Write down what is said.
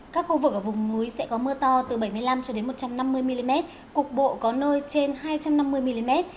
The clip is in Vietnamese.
các khu vực ở vùng núi sẽ có mưa to từ bảy mươi năm một trăm năm mươi mm cục bộ có nơi trên hai trăm năm mươi mm